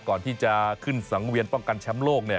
ก่อนที่จะขึ้นสังเวียนป้องกันแชมป์โลกเนี่ย